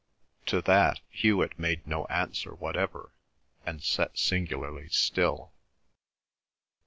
To that Hewet made no answer whatever, and sat singularly still.